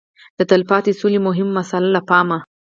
د تلپاتې سولې مهمه مساله له پامه